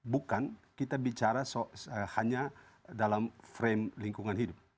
bukan kita bicara hanya dalam frame lingkungan hidup